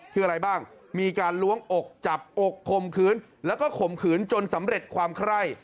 คืออะไรบ้างมีการล้วงอกจับอกข่มขืนแล้วก็ข่มขืนจนสำเร็จความไคร่